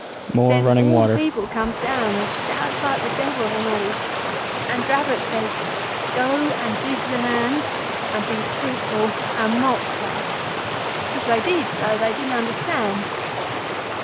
Then all the people comes down and shouts like the devil and all, and Dravot says,—'Go and dig the land, and be fruitful and multiply,' which they did, though they didn't understand.